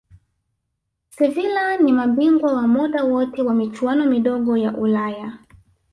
sevila ni mabingwa wa muda wote wa michuano midogo ya ulaya